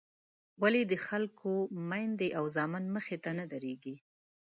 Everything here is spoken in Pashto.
ولې د خلکو میندې او زامن مخې ته نه درېږي.